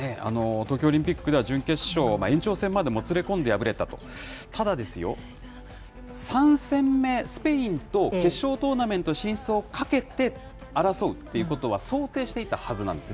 東京オリンピックでは、準決勝、延長までもつれこんで敗れたと、ただですよ、３戦目、スペインと決勝トーナメント進出をかけて争うということは想定していたはずなんです。